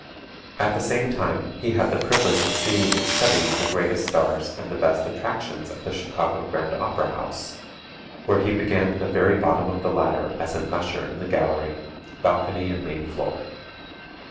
At the same time, he had the privilege of seeing and studying the greatest stars and the best attractions at the Chicago Grand Opera House, where he began at the very bottom of the ladder as an usher in the gallery, balcony and main floor.